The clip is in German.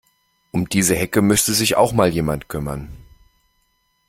Um diese Hecke müsste sich auch mal jemand kümmern.